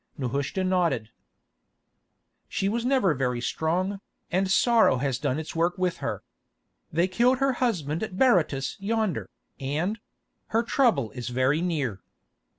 Nehushta nodded. "She was never very strong, and sorrow has done its work with her. They killed her husband at Berytus yonder, and—her trouble is very near."